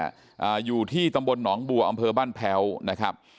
อ่าอยู่ที่ตำบลหนองบัวอำเภอบ้านแพ้วนะครับ